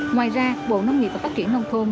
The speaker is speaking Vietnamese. ngoài ra bộ nông nghiệp và phát triển nông thôn